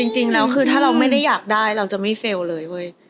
จริงแล้วคือถ้าเราไม่ได้อยากได้เราจะไม่เฟลล์เลยเว้ย